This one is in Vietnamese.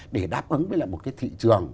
để đáp ứng với một cái thị trường